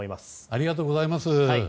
ありがとうございます。